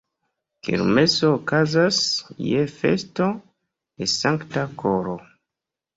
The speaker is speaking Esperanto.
Kermeso okazas je festo de Sankta Koro.